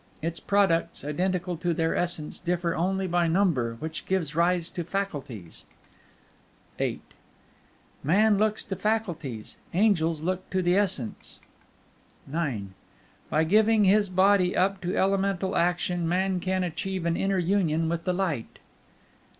Its products, identical in their essence, differ only by Number, which gives rise to faculties. VIII Man looks to faculties; angels look to the Essence. IX By giving his body up to elemental action, man can achieve an inner union with the Light.